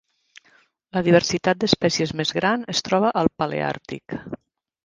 La diversitat d'espècies més gran es troba al paleàrtic.